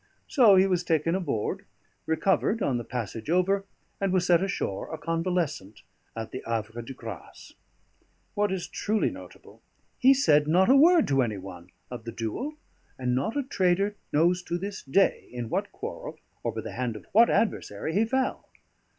So he was taken aboard, recovered on the passage over, and was set ashore a convalescent at the Havre de Grace. What is truly notable: he said not a word to any one of the duel, and not a trader knows to this day in what quarrel, or by the hand of what adversary, he fell.